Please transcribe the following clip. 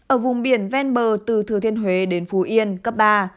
ở vùng biển ven bờ từ thừa thiên huế đến phú yên cấp ba